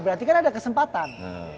berarti kan ada kesempatan